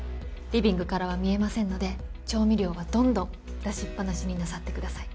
リビングからは見えませんので調味料はどんどん出しっぱなしになさってください。